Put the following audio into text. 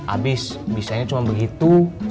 abis bisanya cuma begitu